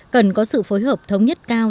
cần có sự phối hợp thống nhất cao